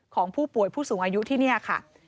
ของผู้ป่วยผู้สูงอายุที่นี่ค่ะ